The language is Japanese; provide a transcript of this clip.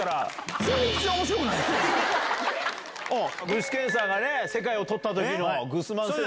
具志堅さんが世界を取った時のグスマン戦の。